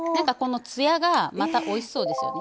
つやがまたおいしそうですよね。